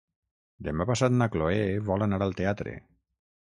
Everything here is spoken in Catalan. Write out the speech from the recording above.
Demà passat na Chloé vol anar al teatre.